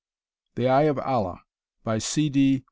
_] The Eye of Allah _By C. D.